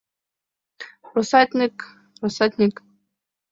Россатньык, россатньык!